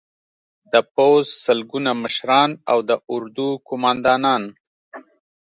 د پوځ سلګونه مشران او د اردو قومندانان